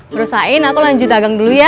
bro sain aku lanjut dagang dulu ya